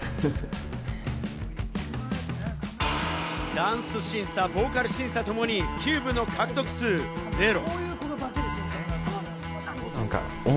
ダンス審査、ボーカル審査ともにキューブの獲得数、ゼロ。